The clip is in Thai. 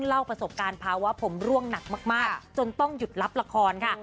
เล่าประสบการณ์ภาวะผมร่วงหนักมากจนต้องหยุดรับละครค่ะ